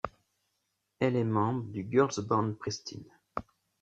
Elle est membre du girls band Pristin.